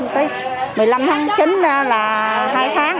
một mươi năm tháng chín là hai tháng